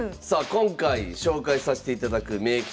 今回紹介させていただく名棋士